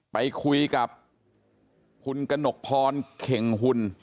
ไปคุยกับคุณกระหนกพรเข่งหุ่น